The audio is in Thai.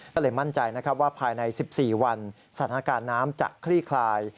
ก็เลยมั่นใจนะครับว่าภายใน๑๔วันสถานการณ์น้ำจะคลี่คลาย